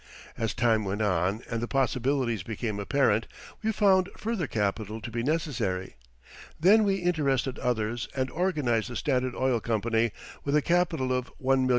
As time went on and the possibilities became apparent, we found further capital to be necessary; then we interested others and organized the Standard Oil Company, with a capital of $1,000,000.